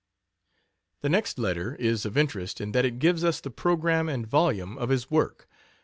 The next letter is of interest in that it gives us the program and volume of his work.